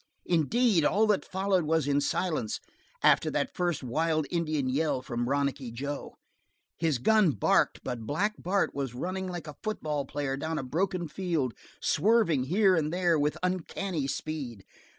Indeed, all that followed was in silence after that first wild Indian yell from Ronicky Joe. His gun barked, but Black Bart was running like a football player down a broken field, swerving here and there with uncanny speed.